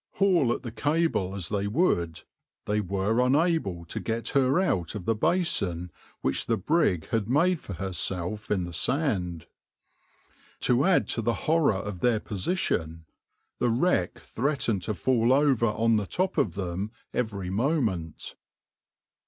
Haul at the cable as they would, they were unable to get her out of the basin which the brig had made for herself in the sand. To add to the horror of their position, the wreck threatened to fall over on the top of them every moment.